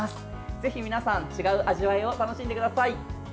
ぜひ皆さん、違う味わいを楽しんでください。